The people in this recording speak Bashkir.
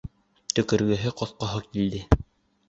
Төкөргөһө, ҡоҫҡоһо килде.